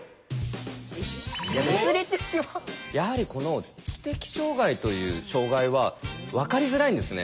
やはりこの知的障害という障害は分かりづらいんですね。